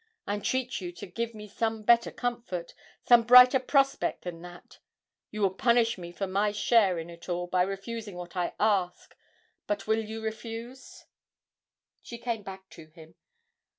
I entreat you to give me some better comfort, some brighter prospect than that you will punish me for my share in it all by refusing what I ask, but will you refuse?' She came back to him.